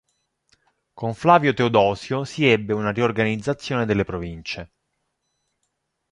Con Flavio Teodosio si ebbe una riorganizzazione delle province.